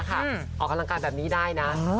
ออกกำลังกายแบบนี้ได้นะ